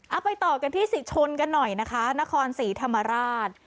เอาไปต่อกันที่ศรีชนกันหน่อยนะคะนครศรีธรรมราช